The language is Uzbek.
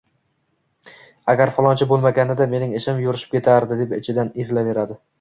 “Agar falonchi bo’lmaganida mening ishim yurishib ketardi”, deb ichidan ezilaveradi.